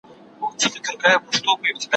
نه تر ستوني یې سو کښته تېرولالی